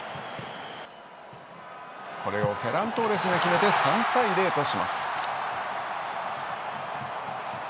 これをフェラン・トーレスが決めて３対０とします。